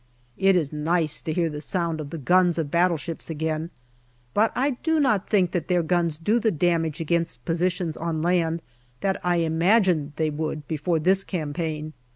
It is nice to hear the sound of the guns of battleships again, but I do not think that their guns do the damage against positions on land that I imagined they would do before this campaign.